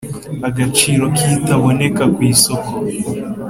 agaciro kitaboneka ku isoko